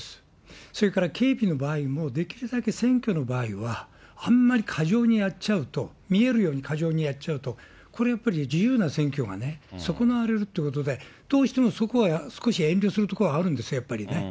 それから警備の場合も、できるだけ選挙の場合は、あんまり過剰にやっちゃうと、見えるように過剰にやっちゃうと、これやっぱり自由な選挙がね、損なわれるということで、どうしてもそこは少し遠慮するところはあるんですよ、やっぱりね。